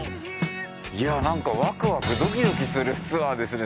いやなんかワクワクドキドキするツアーですね